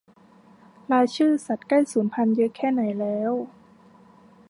รายชื่อสัตว์ใกล้สูญพันธุ์เยอะแค่ไหนแล้ว